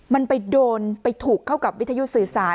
มันไปโดนไปถูกเข้ากับวิทยุสื่อสาร